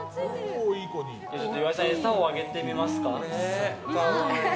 岩井さん、餌をあげてみますか。